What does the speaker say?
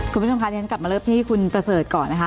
คุณผู้ชมคะที่ฉันกลับมาเริ่มที่คุณประเสริฐก่อนนะคะ